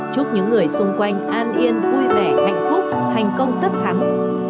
chúc những người xung quanh an yên vui vẻ hạnh phúc thành công tất thắng